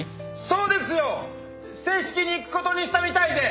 「そうですよ正式に行くことにしたみたいで」